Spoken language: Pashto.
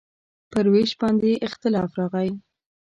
پر وېش باندې اختلاف راغی.